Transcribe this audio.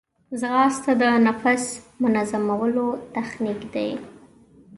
ځغاسته د نفس منظمولو تخنیک دی